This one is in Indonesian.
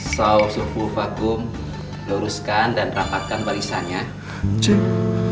sausufu vakum luruskan dan rapatkan barisannya ceng